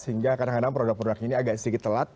sehingga kadang kadang produk produk ini agak sedikit telat